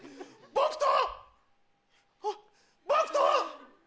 僕と！